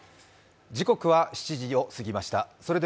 時刻は７時を過ぎました。